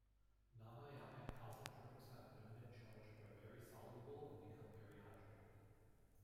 Nonionic kosmotropes have no net charge but are very soluble and become very hydrated.